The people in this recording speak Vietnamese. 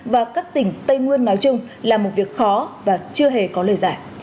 và các tỉnh tây nguyên nói chung là một việc khó và chưa hề có lời giải